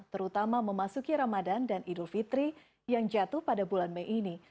terutama memasuki ramadan dan idul fitri yang jatuh pada bulan mei ini